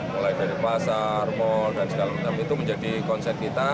mulai dari pasar mal dan segala macam itu menjadi konsen kita